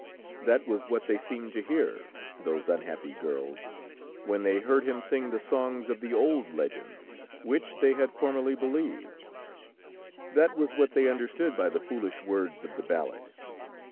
That was what they seemed to hear, those unhappy girls, when they heard him sing the songs of the old legends, which they had formerly believed. That was what they understood by the foolish words of the ballad.